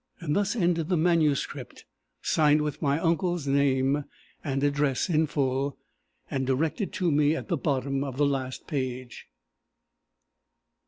Thus ended the manuscript, signed with my uncle's name and address in full, and directed to me at the bottom of the last page.